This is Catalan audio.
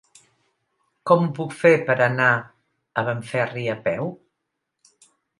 Com ho puc fer per anar a Benferri a peu?